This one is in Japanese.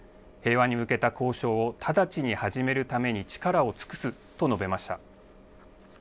平和に向けた交渉を直ちに始めるために力を尽くすと述べました。